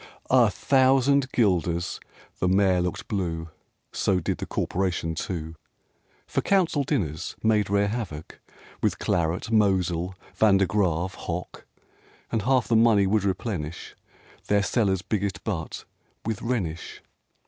IX A thousand guilders! the Mayor looked blue; So did the Corporation too. For council dinners made rare havoc With Claret, Moselle, Vin de Grave, Hock; And half the money would replenish Then* cellar's biggest butt with Rhenish.